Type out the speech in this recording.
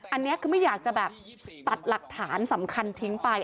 อันนี้คือไม่อยากจะแบบตัดหลักฐานสำคัญทิ้งไป